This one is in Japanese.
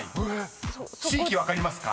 ［地域分かりますか？］